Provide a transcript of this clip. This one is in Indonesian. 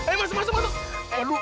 eh masuk masuk masuk